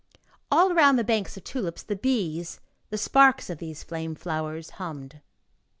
All around the banks of tulips the bees, the sparks of these flame flowers, hummed.